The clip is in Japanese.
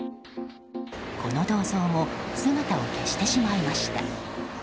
この銅像も姿を消してしまいました。